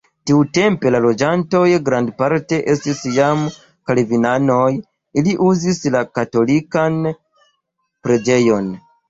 Tiutempe la loĝantoj grandparte estis jam kalvinanoj, ili uzis la katolikan preĝejon.